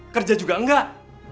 kerja juga enggak